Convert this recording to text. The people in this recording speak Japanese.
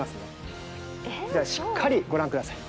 じゃあしっかりご覧ください。